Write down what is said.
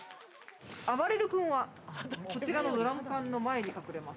あばれる君は、こちらのドラム缶の前に隠れます。